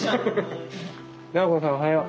菜穂子さんおはよう。